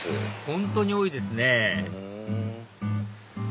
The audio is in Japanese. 本当に多いですね